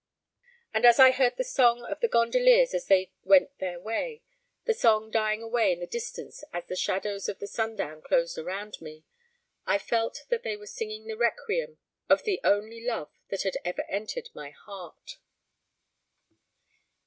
And as I heard the song of the gondoliers as they went their way the song dying away in the distance as the shadows of the sundown closed around me I felt that they were singing the requiem of the only love that had ever entered my heart.